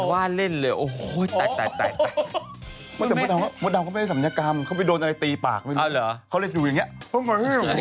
เคยมาทำปากอันพักนึงปะ